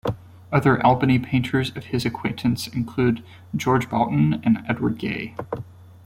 Other Albany painters of his acquaintance included George Boughton, and Edward Gay.